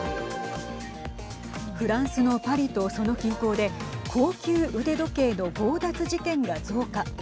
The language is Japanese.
フランスのパリとその近郊で高級腕時計の強奪事件が増加。